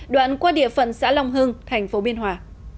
đoạn qua địa phận xã long hưng tp biên hòa